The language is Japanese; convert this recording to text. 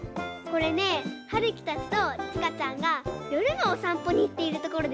これねはるきたちとちかちゃんがよるのおさんぽにいっているところです。